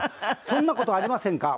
そんな事ありませんか？